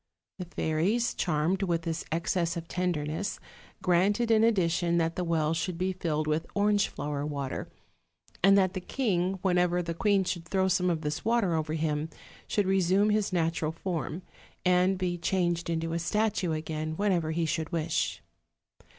The fairies, charmed with this excess of tenderness, granted in addition that the well should be filled with orange flower water; and that the king, whenever the queen should throw some of this water over him, should resume his natural form, and be changed into a statue again whenever he should wish.